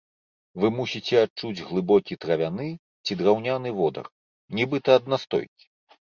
Вы мусіце адчуць глыбокі травяны ці драўняны водар, нібыта ад настойкі.